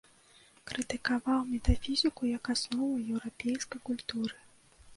Крытыкаваў метафізіку як аснову еўрапейскай культуры.